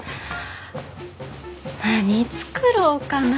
何作ろうかな。